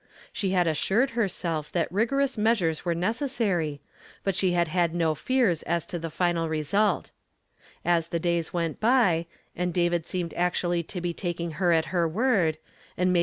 She had assured hei self that rigorous meas ures were necessary, but she had had no fears as to the final result. As the days went by, and David seemed actually to be taking her at her word, and made no effort to see her again, Miriam i^^ MV.